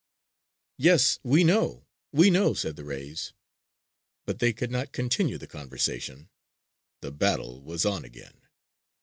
"Yes, we know! We know!" said the rays. But they could not continue the conversation: the battle was on again.